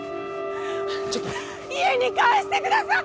ちょっと家に帰してください